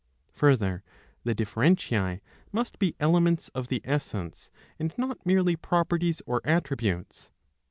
Further the differentiae must be elements of the essence, and not merely properties or attributes.